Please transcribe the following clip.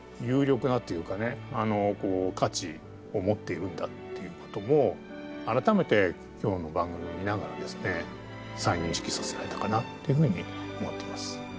価値を持っているんだっていうことも改めて今日の番組を見ながら再認識させられたかなっていうふうに思っています。